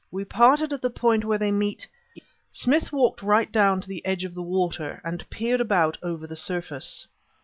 We parted at the point where they meet " Smith walked right down to the edge of the water and peered about over the surface.